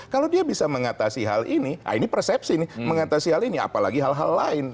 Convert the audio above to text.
kalau dia bisa mengatasi hal ini nah ini persepsi nih mengatasi hal ini apalagi hal hal lain